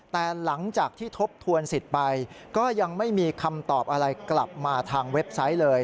แต่หลังจากที่ทบทวนสิทธิ์ไปก็ยังไม่มีคำตอบอะไรกลับมาทางเว็บไซต์เลย